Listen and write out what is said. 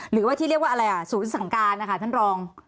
หรือว่าที่เรียกว่าอะไรอ่ะศูนย์สั่งการนะคะท่านรอง